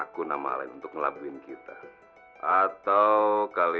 kenapa kamu gak jemput sadiq